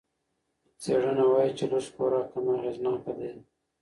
څېړنه وايي چې لږ خوراک هم اغېزناکه دی.